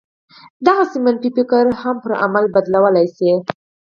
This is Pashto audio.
دغسې منفي فکر هم پر عمل بدلولای شي